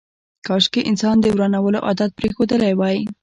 کاشکي انسان د ورانولو عادت پرېښودلی وای.